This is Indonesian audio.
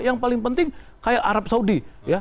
yang paling penting kayak arab saudi